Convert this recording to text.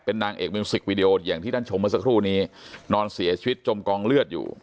นางเอกมิวสิกวีดีโออย่างที่ท่านชมเมื่อสักครู่นี้นอนเสียชีวิตจมกองเลือดอยู่